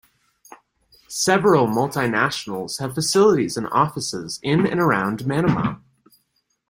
Several multinationals have facilities and offices in and around Manama.